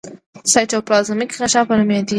سایټوپلازمیک غشا په نوم یادیږي.